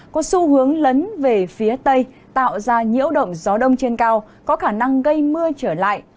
có xu hướng lấn về phía tây tạo ra nhiễu động gió đông trên cao có khả năng gây mưa trở lại